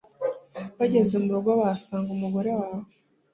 bageze mu rugo, bahasanga umugore wawe